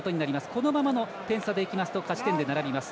このままの点差でいきますと勝ち点で並びます。